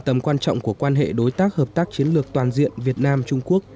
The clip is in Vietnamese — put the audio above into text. tầm quan trọng của quan hệ đối tác hợp tác chiến lược toàn diện việt nam trung quốc